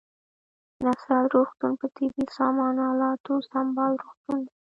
نصرت روغتون په طبي سامان الاتو سمبال روغتون دی